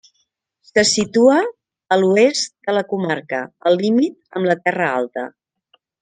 Se situa a l'oest de la comarca, al límit amb la Terra Alta.